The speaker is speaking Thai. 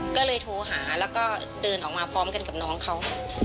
ก็เลยโทรหาแล้วก็เดินออกมาพร้อมกันกับน้องเขา